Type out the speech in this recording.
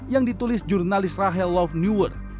yang ditulis jurnalis rahel lawanis